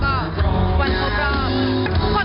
ก็กลัวพอด้านวันเกิดด้วยแล้วก็วันครบรอบ